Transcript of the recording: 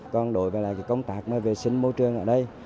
còn đổi về công tác về vệ sinh môi trường ở đây